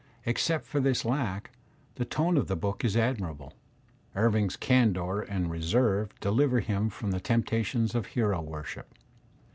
Except for this lack, the tone of the book is admirable. Irving's candour and reserve deliver him from the temptations of hero worship.